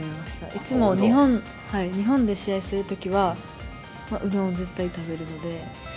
いつも、日本で試合するときは、うどんを絶対食べるので。